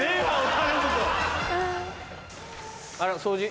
あら掃除？